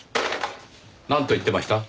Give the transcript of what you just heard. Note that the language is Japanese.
なんと言ってました？